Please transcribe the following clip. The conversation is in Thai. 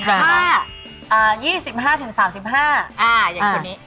ถ้า๒๕๓๕อย่างคนนี้